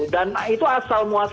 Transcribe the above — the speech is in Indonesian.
dan itu asal muasakannya